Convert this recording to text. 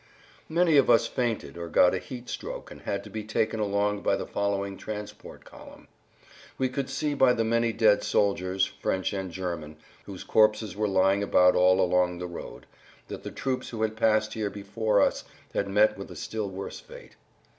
Many of us fainted or got a heat stroke and had to be taken along by the following transport column. We could see by the many dead soldiers, French and German, whose corpses were lying about all along the road, that the troops who had passed here before us had met with a still worse fate.